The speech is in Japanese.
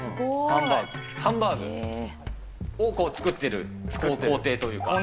ハンバーグ。を作ってる工程というか。